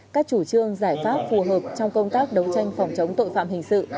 các chủ trương giải pháp phù hợp trong công tác đấu tranh phòng chống tội phạm hình sự